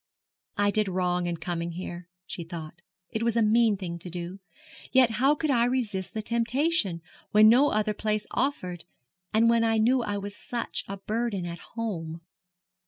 'I did wrong in coming here,' she thought; 'it was a mean thing to do. Yet how could I resist the temptation, when no other place offered, and when I knew I was such a burden at home?'